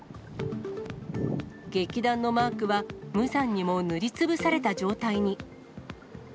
劇団のマークは、無残にも塗りつぶされた状態に。